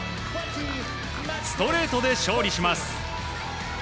ストレートで勝利します。